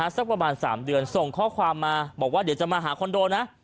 สักประมาณ๓เดือนส่งข้อความมาบอกว่าเดี๋ยวจะมาหาคอนโดนะ